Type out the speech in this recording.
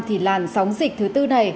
thì làn sóng dịch thứ tư này